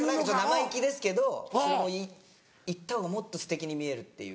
生意気ですけどそれも言った方がもっとすてきに見えるっていう。